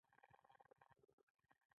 ماده په جامد، مایع او ګاز ډولونو موجوده ده.